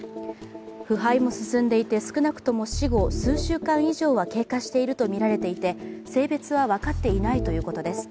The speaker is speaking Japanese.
腐敗も進んでいて、少なくとも死後数週間以上は経過しているとみられていて性別は分かっていないということです。